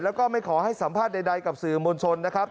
แล้วก็ไม่ขอให้สัมภาษณ์ใดกับสื่อมวลชนนะครับ